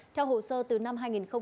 theo hồ sơ từ năm hai nghìn một mươi